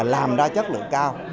làm ra chất lượng cao